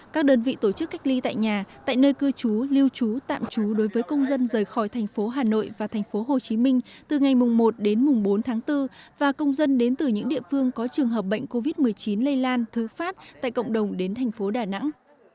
các đơn vị tổ chức cách ly tại nhà tại nơi cư trú lưu trú tạm trú đối với công dân rời khỏi thành phố hà nội và thành phố hồ chí minh từ ngày một đến bốn tháng bốn và công dân đến từ những địa phương có trường hợp bệnh covid một mươi chín lây lan thứ phát tại cộng đồng đến thành phố đà nẵng